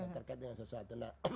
terkait dengan sesuatu